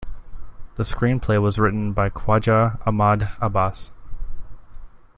The screenplay was written by Khwaja Ahmad Abbas.